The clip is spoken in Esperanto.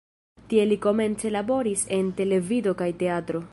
Tie li komence laboris en televido kaj teatro.